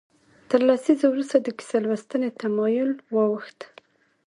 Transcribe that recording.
تر لسیزو وروسته د کیسه لوستنې تمایل واوښت.